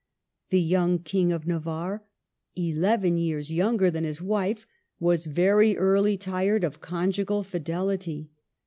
The young King of Navarre, eleven years younger than his wife, was very early tired of conjugal fidelity.